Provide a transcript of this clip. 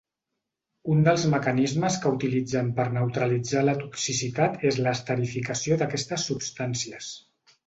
Un dels mecanismes que utilitzen per neutralitzar la toxicitat és l'esterificació d'aquestes substàncies.